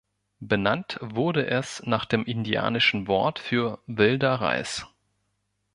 Benannt wurde es nach dem indianischen Wort für "Wilder Reis".